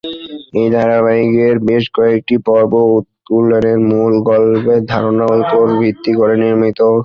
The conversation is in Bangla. এই ধারাবাহিকের বেশ কয়েকটি পর্ব উলের মূল গল্পের ধারণার উপর ভিত্তি করে নির্মিত।